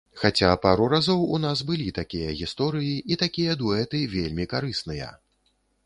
Хаця, пару разоў у нас былі такія гісторыі, і такія дуэты вельмі карысныя.